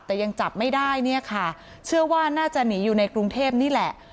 แต่ยังจับไม่ได้เนี่ยค่ะเชื่อว่าน่าจะหนีอยู่ในกรุงเทพนี่แหละ